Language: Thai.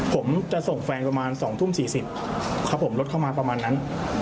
ผมจะส่งแฟนประมาณ๒ทุ่ม๔๐ครับผมรถเข้ามาประมาณนั้น